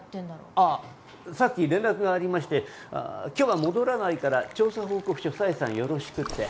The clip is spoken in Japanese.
ああさっき連絡がありまして今日は戻らないから調査報告書紗枝さんよろしくって。